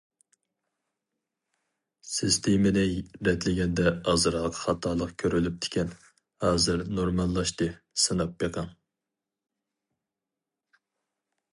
سىستېمىنى رەتلىگەندە ئازراق خاتالىق كۆرۈلۈپتىكەن، ھازىر نورماللاشتى، سىناپ بېقىڭ.